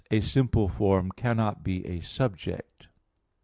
"A simple form cannot be a subject."